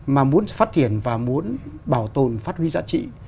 mà muốn phát triển và muốn bảo tồn phát huy giá trị